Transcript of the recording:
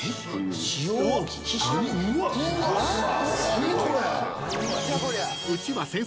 何これ？